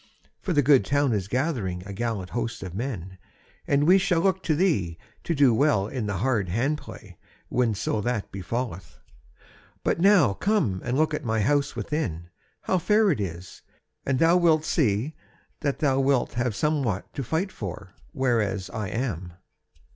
For the good town is gathering a gallant host of men; and we shall look to thee to do well in the hard hand play, whenso that befalleth. But now come and look at my house within, how fair it is, and thou wilt see that thou wilt have somewhat to fight for, whereas I am."